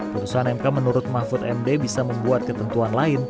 putusan mk menurut mahfud md bisa membuat ketentuan lain